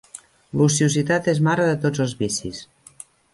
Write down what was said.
L'ociositat és mare de tots els vicis.